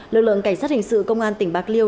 lực lượng cảnh sát hình sự công an tỉnh bạc liêu